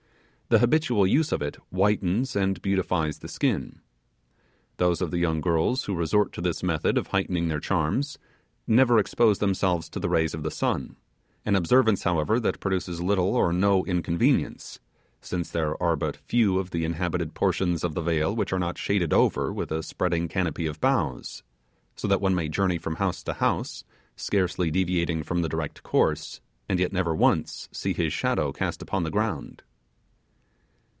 The habitual use of it whitens and beautifies the skin. Those of the young girls who resort to this method of heightening their charms, never expose themselves selves to the rays of the sun; an observance, however, that produces little or no inconvenience, since there are but few of the inhabited portions of the vale which are not shaded over with a spreading canopy of boughs, so that one may journey from house to house, scarcely deviating from the direct course, and yet never once see his shadow cast upon the ground.